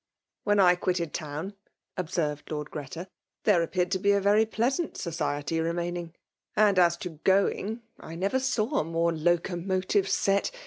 " When I quitted town," observed Lord Greta, " there appeared to be a very pleasant society remaining; and as to going, I never saw a more locomotive set